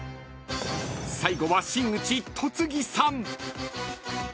［最後は真打ち戸次さん］